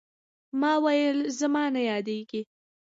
ما وويل زما نه يادېږي.